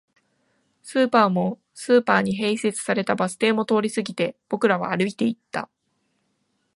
スーパーも、スーパーに併設されたバス停も通り過ぎて、僕らは歩いていった